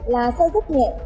là xe rất nhẹ